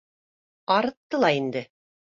Арытты ла инде